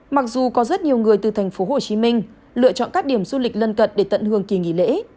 mặc dù có rất nhiều người từ thành phố hồ chí minh lựa chọn các điểm du lịch lân cận để tận hưởng kỳ nghỉ lễ